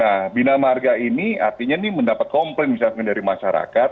nah bina marga ini artinya ini mendapat komplain misalkan dari masyarakat